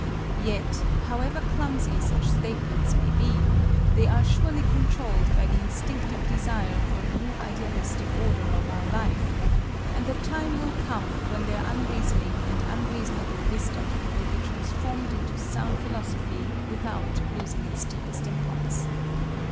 Yet, however clumsy such statements may be, they are surely controlled by the instinctive desire for a new idealistic order of our life, and the time will come when their unreasoning and unreasonable wisdom will be transformed into sound philosophy without losing its deepest impulse.